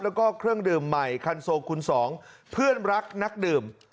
แล้วก็เครื่องดื่มใหม่คันโซคูณ๒เพื่อนรักนักดื่ม